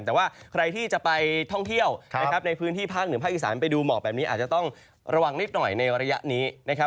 แต่ว่าใครที่จะไปท่องเที่ยวนะครับในพื้นที่ภาคเหนือภาคอีสานไปดูหมอกแบบนี้อาจจะต้องระวังนิดหน่อยในระยะนี้นะครับ